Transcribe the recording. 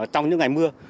trong những ngày mưa